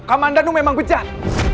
kamandanu memang becat